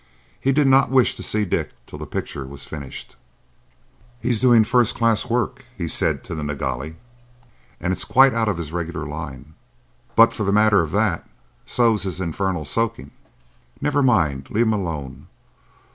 He did not wish to see Dick till the picture was finished. "He's doing first class work," he said to the Nilghai, "and it's quite out of his regular line. But, for the matter of that, so's his infernal soaking." "Never mind. Leave him alone.